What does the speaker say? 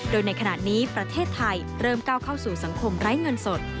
โดยในขณะนี้ประเทศไทยเริ่มก้าวเข้าสู่สังคมไร้เงินสด